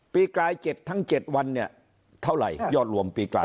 กลาย๗ทั้ง๗วันเนี่ยเท่าไหร่ยอดรวมปีกลาย